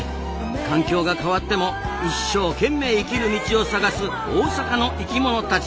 環境が変わっても一生懸命生きる道を探す大阪の生きものたち。